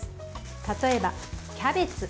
例えば、キャベツ。